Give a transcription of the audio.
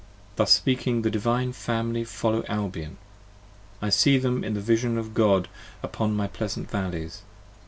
Thus speaking, the Divine Family follow Albion: I see them in the Vision of God upon my pleasant valleys.